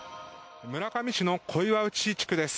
村上市の小岩内地区です。